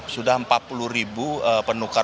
sudah empat puluh ribu penukar